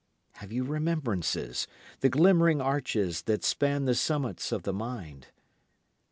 Have you remembrances, the glimmering arches that span the summits of the mind?